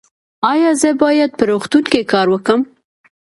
ایا زه باید په روغتون کې کار وکړم؟